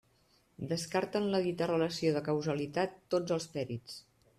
Descarten la dita relació de causalitat tots els perits.